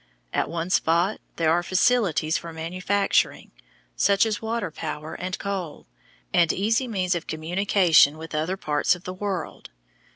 At one spot there are facilities for manufacturing, such as water power and coal, and easy means of communication with other parts of the world.